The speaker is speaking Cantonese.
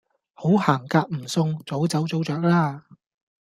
好行夾唔送，早走早著啦